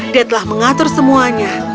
dia telah mengatur semuanya